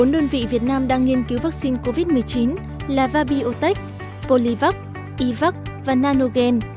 bốn đơn vị việt nam đang nghiên cứu vaccine covid một mươi chín là vabiotech polivac ivac và nanogen